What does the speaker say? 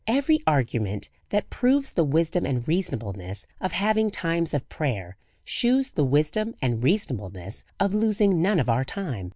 Every argument that proves the wisdom and reasonableness of having times of prayer, shews the wisdom and reasonableness of losing' none of our time.